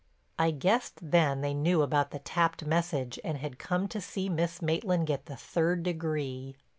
I guessed then they knew about the tapped message and had come to see Miss Maitland get the third degree.